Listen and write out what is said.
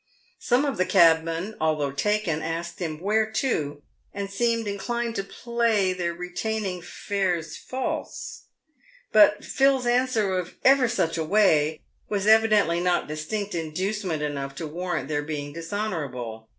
Some of the cabmen, although taken, asked him "where to ?" and seemed in clined to play their retaining fares false, but Phil's answer of " ever such a way" was evidently not distinct inducement enough to warrant their being dishonourable.